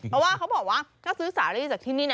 เพราะว่าเขาบอกว่าก็ซื้อสารีจากที่นี่